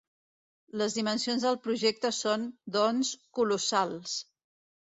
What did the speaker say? Les dimensions del projecte són, doncs, colossals.